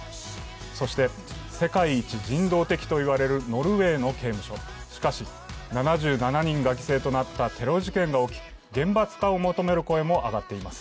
そして、世界一人道的といわれるノルウェーの刑務所。しかし７７人が犠牲となったテロ事件が起き厳罰化を求める声も上がっています。